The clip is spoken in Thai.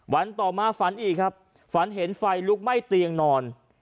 วันต่อมาฝันอีกครับฝันเห็นไฟลุกไหม้เตียงนอน